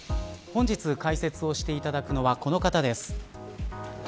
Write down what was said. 本日解説をしていただくのはこの方です。